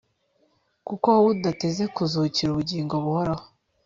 kuko wowe udateze kuzukira ubugingo buhoraho